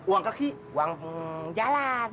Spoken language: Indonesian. uang kaki uang jalan